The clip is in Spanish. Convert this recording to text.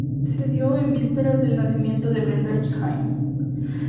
Se dio en vísperas del nacimiento de Brenda Jaime.